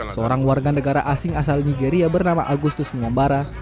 seorang warga negara asing asal nigeria bernama agustus muambara